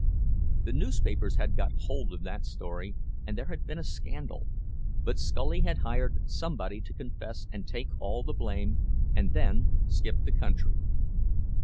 The newspapers had got hold of that story, and there had been a scandal; but Scully had hired somebody to confess and take all the blame, and then skip the country.